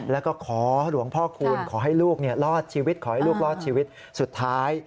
แล้วก็ขอหลวงพ่อคูณขอให้ลูกรอดชีวิตสุดท้าย